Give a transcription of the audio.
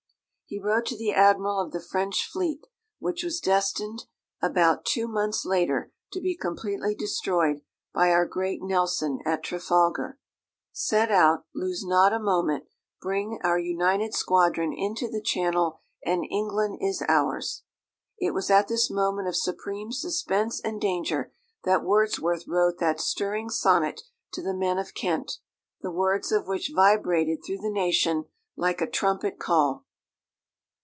He wrote to the admiral of the French fleet, which was destined about two months later to be completely destroyed by our great Nelson at Trafalgar: "Set out, lose not a moment, bring our united squadron into the Channel and England is ours." It was at this moment of supreme suspense and danger that Wordsworth wrote that stirring sonnet to the men of Kent, the words of which vibrated through the nation like a trumpet call.